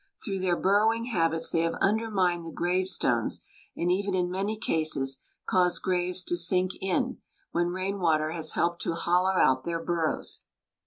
Through their burrowing habits they have undermined the gravestones, and even in many cases caused graves to sink in, when rainwater has helped to hollow out their burrows.